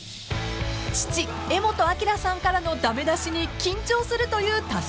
［父柄本明さんからの駄目出しに緊張するという佑さん］